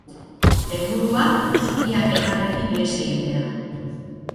Helburua: biak elkarrekin ihes egitea.